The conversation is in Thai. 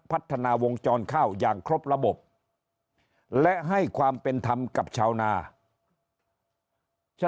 พัฒนาวงจรข้าวอย่างครบระบบและให้ความเป็นธรรมกับชาวนาจะ